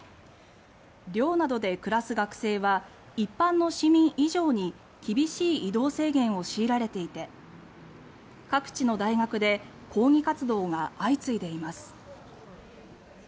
寮などで暮らす学生は一般の市民以上に厳しい移動制限を強いられていて各地の大学で抗議活動が相次いでいます。